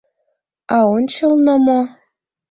А ончылно мо?